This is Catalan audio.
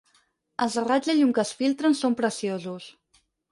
Els raigs de llum que es filtren són preciosos.